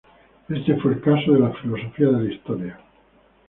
Este fue el caso de la filosofía de la historia.